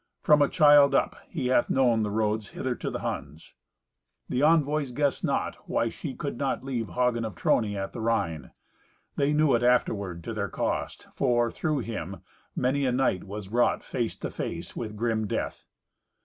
From a child up he hath known the roads hither to the Huns." The envoys guessed not why she could not leave Hagen of Trony at the Rhine. They knew it afterward to their cost, for, through him, many a knight was brought face to face with grim death.